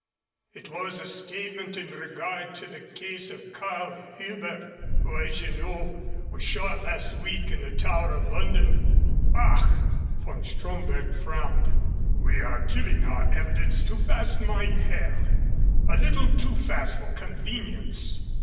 "It was a statement in regard to the case of Carl Hüber, who, as you know, was shot last week in the Tower of London." "Ach!" Von Stromberg frowned. "We are killing our evidence too fast, mein herr, a little too fast for convenience.